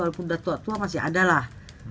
walaupun datua datua masih ada lah